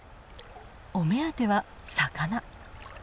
お目当ては魚。